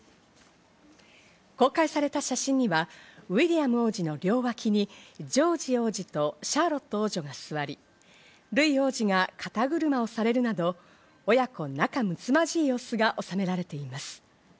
公開された写真には、ウィリアム王子の両脇にジョージ王子とシャーロット王女が座り、ルイ王子が肩車をされるなど、親子仲睦まじい様子がおさめられています。